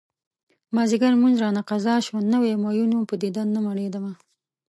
مازديګر لمونځ رانه قضا شو نوی مين وم په دیدن نه مړيدمه